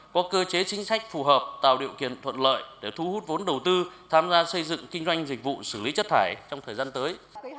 có cơ chế chính sách phù hợp tạo điều kiện thuận lợi để thu hút vốn đầu tư tham gia xây dựng kinh doanh dịch vụ xử lý chất thải trong thời gian tới